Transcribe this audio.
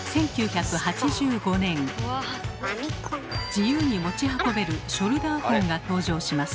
自由に持ち運べるショルダーホンが登場します。